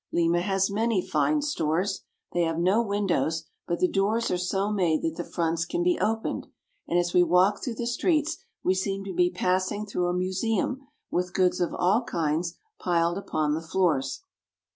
Lima has many fine stores. They have no windows, but the doors are so made that the fronts can be opened, and as we walk through the streets we seem to be passing through a museum with goods of all kinds piled upon the floors.